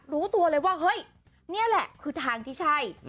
รู้ตัวเลยว่าเฮ้ยนี่แหละคือทางที่ใช่